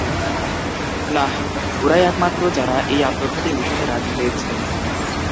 নাহ, ওরাই একমাত্র যারা এই আত্মঘাতী মিশনে রাজি হয়েছে।